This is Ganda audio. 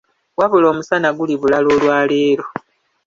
Wabula omusana guli bulala olwaleero!